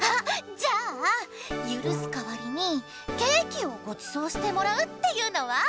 じゃあゆるすかわりにケーキをごちそうしてもらうっていうのは？